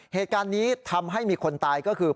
เหตุการณ์นี้ทำให้มีคนตายก็คือ